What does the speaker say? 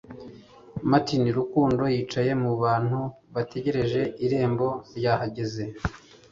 Martin Rukundo yicaye mu bantu bategereje irembo ryahageze